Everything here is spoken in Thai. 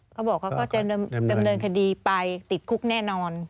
ก็บอกเขาก็จะเริ่มเดินคดีไปติดคุกแน่นอน